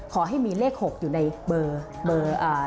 ขอให้มีเลข๖อยู่ในเบอร์อ่า